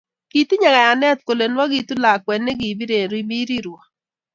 Kitinye kayane kole nwogitu lakwe ne kibiren biriruo